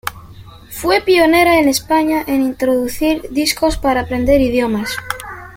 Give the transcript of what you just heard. Fue pionera en España en introducir discos para aprender idiomas.